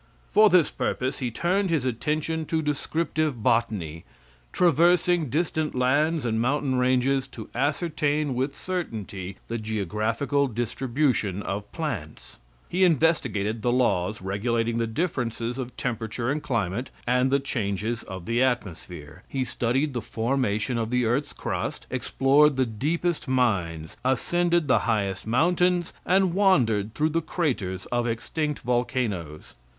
For this purpose he turned his attention to descriptive botany, traversing distant lands and mountain ranges to ascertain with certainty the geographical distribution of plants. He investigated the laws regulating the differences of temperature and climate, and the changes of the atmosphere. He studied the formation of the earth's crust, explored the deepest mines, ascended the highest mountains, and wandered through the craters of extinct volcanoes.